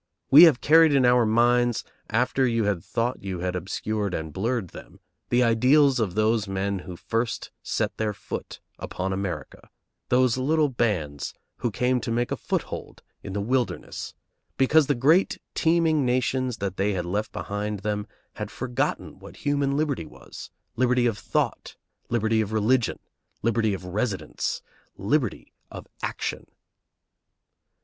We have carried in our minds, after you had thought you had obscured and blurred them, the ideals of those men who first set their foot upon America, those little bands who came to make a foothold in the wilderness, because the great teeming nations that they had left behind them had forgotten what human liberty was, liberty of thought, liberty of religion, liberty of residence, liberty of action.